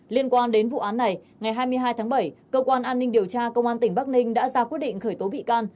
liên quan đến vụ án này ngày hai mươi hai tháng bảy cơ quan an ninh điều tra công an tỉnh bắc ninh đã ra quyết định khởi tố bị can